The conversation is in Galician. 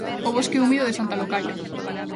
O bosque húmido de Santa Locaia.